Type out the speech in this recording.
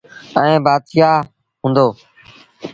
ائيٚݩ بآتشآه هُݩدو۔